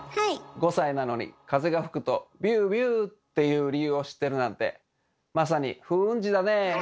５歳なのに風が吹くと「ビュービュー」っていう理由を知ってるなんてあら。